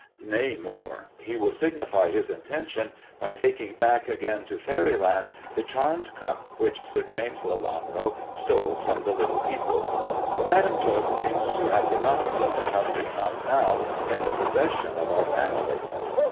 Nay, more, he will signify his intention by taking back again to faeryland the charmed cup which Sir James Lelanro stole from the little people. But Madam Tot seems to have forgotten that the cup is not now in the possession of our family.